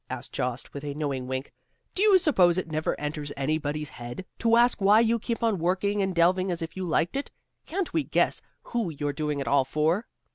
asked Jost with a knowing wink. "Do you suppose it never enters anybody's head to ask why you keep on working and delving as if you liked it? Can't we guess who you're doing it all for?"